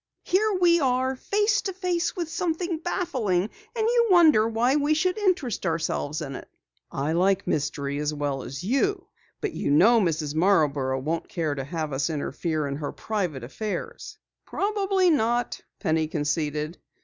Here we are face to face with something baffling, and you wonder why we should interest ourselves in it!" "I like mystery as well as you, but you know Mrs. Marborough won't care to have us interfere in her private affairs." "Probably not," Penny conceded.